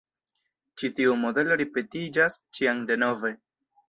Ĉi tiu modelo ripetiĝas ĉiam denove.